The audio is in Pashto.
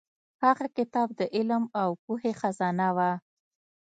هغه کتاب د علم او پوهې خزانه وه.